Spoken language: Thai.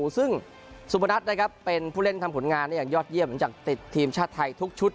ซึ่งสุปนัสเป็นผู้เล่นทำผลงานยอดเยี่ยมจากติดทีมชาติไทยทุกชุด